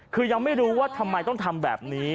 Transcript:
คือยังไม่รู้ว่าทำไมต้องทำแบบนี้